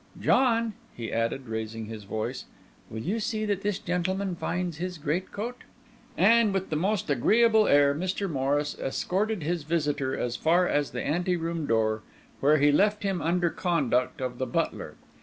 John," he added, raising his voice, "will you see that this gentleman finds his great coat?" And with the most agreeable air Mr. Morris escorted his visitor as far as the ante room door, where he left him under conduct of the butler.